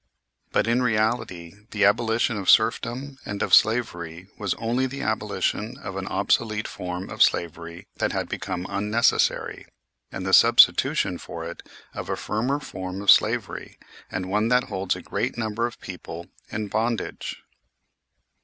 But in reality the abolition of serfdom and of slavery was only the abolition of an obsolete form of slavery that had become unnecessary, and the substitution for it of a firmer form of slavery, and one that holds a greater number of people in bondage.